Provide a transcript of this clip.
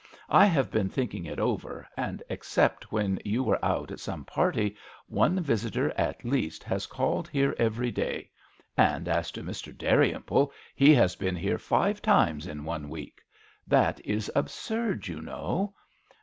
I have been think ing it over, and, except when you iSa MISS AWDREY AT HOMfi. were out at some party, one visitor at least has called here every day ; and as to Mr. Dalrymple, he has been here five times in one week. That is absurd, you know."